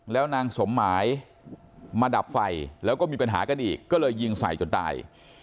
แล้วนางสมหมายมาดับไฟแล้วก็มีปัญหากันอีกก็เลยยิงใส่จนตาย